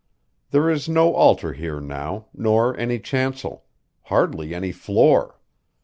There is no altar here now, nor any chancel; hardly any floor.